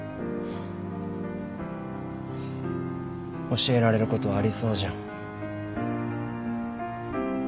教えられることありそうじゃん。